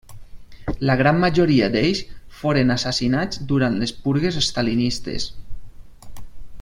La gran majoria d'ells foren assassinats durant les purgues estalinistes.